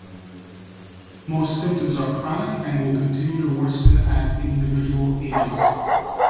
Most symptoms are chronic and will continue to worsen as the individual ages.